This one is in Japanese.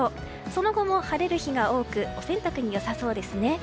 その後も晴れる日が多くお洗濯によさそうですね。